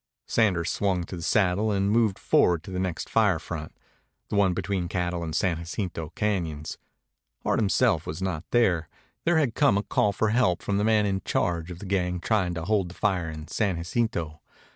Sanders swung to the saddle and moved forward to the next fire front, the one between Cattle and San Jacinto Cañons. Hart himself was not here. There had come a call for help from the man in charge of the gang trying to hold the fire in San Jacinto.